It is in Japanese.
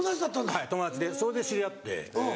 はい友達でそれで知り合って。